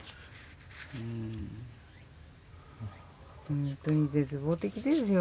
本当に絶望的ですよ